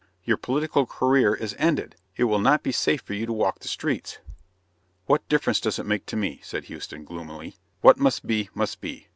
Your political career is ended. It will not be safe for you to walk the streets!" "What difference does it make to me?" said Houston, gloomily. "What must be, must be.